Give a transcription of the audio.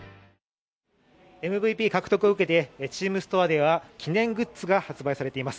ＭＶＰ獲得を受けて、チームストアでは記念グッズが発売されています。